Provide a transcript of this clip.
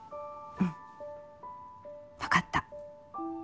うんわかった。